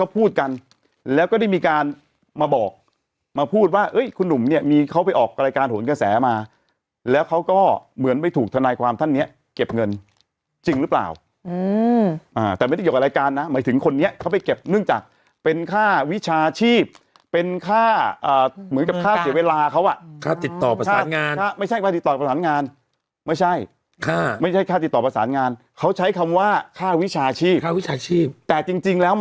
พูดว่าเอ้ยคุณหนุ่มเนี้ยมีเขาไปออกรายการหนกระแสมาแล้วเขาก็เหมือนไปถูกทนายความท่านเนี้ยเก็บเงินจริงหรือเปล่าอืมอ่าแต่ไม่ได้เกี่ยวกับรายการนะหมายถึงคนนี้เขาไปเก็บเนื่องจากเป็นค่าวิชาชีพเป็นค่าอ่าเหมือนกับค่าเสียเวลาเขาอ่ะค่าติดต่อประสานงานค่าไม่ใช่ค่าติดต่อประสานงานไม่ใช่ค่าไม่ใช